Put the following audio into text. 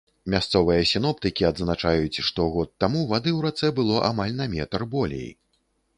Мясцовыя сіноптыкі адзначаюць, што год таму вады ў рацэ было амаль на метр болей.